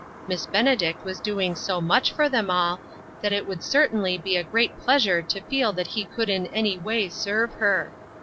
Miss Benedict was doing so much for them all, that it would certainly be a great pleasure to feel that he could in any way serve her.